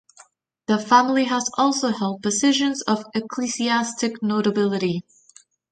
The family has also held positions of ecclesiastic notability.